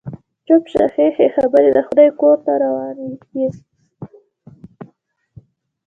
چپ شه، ښې ښې خبرې د خدای کور ته روانه يې.